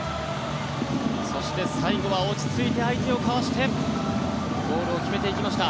そして最後は落ち着いて相手をかわしてゴールを決めていきました。